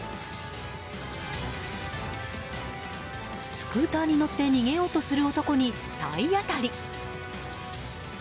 スクーターに乗って逃げようとする男に体当たり。